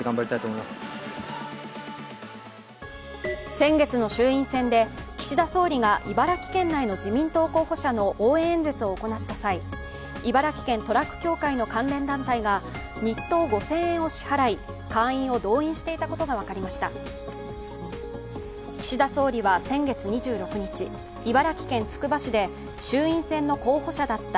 先月の衆院選で岸田総理が茨城県内の自民党候補者の応援演説を行った際茨城県トラック協会の関連団体が日当５０００円を支払い会員を動員していたことが分かりました。